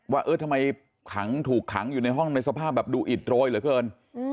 ว่าเออทำไมขังถูกขังอยู่ในห้องในสภาพแบบดูอิดโรยเหลือเกิน